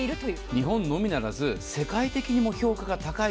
日本のみならず世界的にも評価が高い。